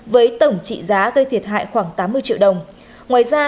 với tổng trị giá gây thiệt hại khoảng tám mươi triệu đồng